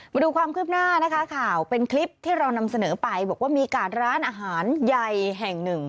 มาดูความคืบหน้านะคะข่าวเป็นคลิปที่เรานำเสนอไปบอกว่ามีกาดร้านอาหารใหญ่แห่งหนึ่ง